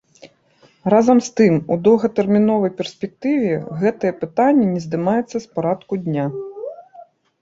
Разам з тым, у доўгатэрміновай перспектыве гэтае пытанне не здымаецца з парадку дня.